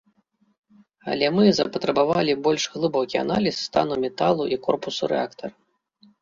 Але мы запатрабавалі больш глыбокі аналіз стану металу і корпусу рэактара.